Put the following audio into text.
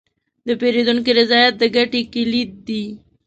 د پیرودونکي رضایت د ګټې کلید دی.